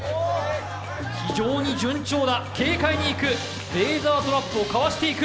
非常に順調だ、軽快にいく、レーザートラップをかわしていく。